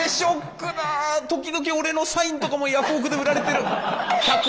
時々俺のサインとかもヤフオク！で売られてる。